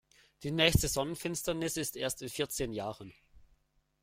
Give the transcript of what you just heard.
Die nächste Sonnenfinsternis ist erst in vierzehn Jahren.